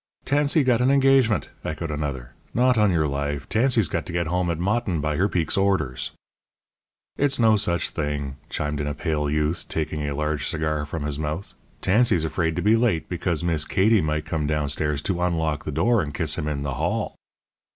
"Tansey got an engagement!" echoed another. "Not on your life. Tansey's got to get home at Motten by her Peek's orders." "It's no such thing," chimed in a pale youth, taking a large cigar from his mouth; "Tansey's afraid to be late because Miss Katie might come down stairs to unlock the door, and kiss him in the hall."